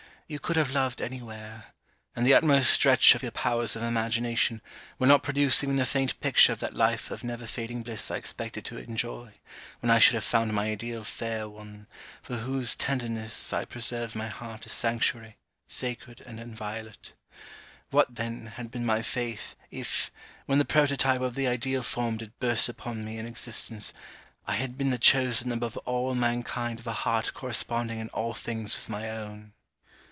You could have loved any where; and the utmost stretch of your powers of imagination, will not produce even a faint picture of that life of never fading bliss I expected to enjoy, when I should have found my ideal fair one, for whose tenderness I preserved my heart a sanctuary, sacred, and inviolate. What, then, had been my faith, if, when the prototype of the ideal form did burst upon me in existence, I had been the chosen above all mankind of a heart corresponding in all things with my own.